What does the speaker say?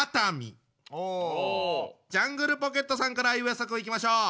ジャングルポケットさんからあいうえお作文いきましょう。